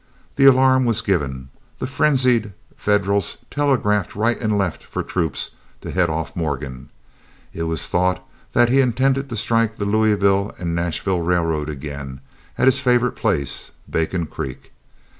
The alarm was given. The frenzied Federals telegraphed right and left for troops to head off Morgan. It was thought that he intended to strike the Louisville and Nashville Railroad again at his favorite place—Bacon Creek.